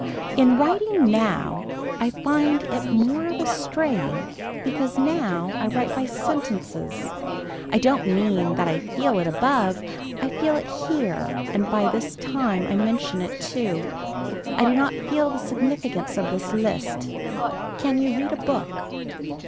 In writing now I find it more of a strain because now I write by sentences. I don't mean that I feel it above, I feel it here and by this time I mention it too. I do not feel the significance of this list. Can you read a book.